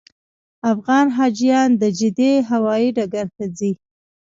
افغان حاجیان د جدې هوایي ډګر ته ځي.